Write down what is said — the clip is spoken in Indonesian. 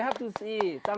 saya tidak menarik tom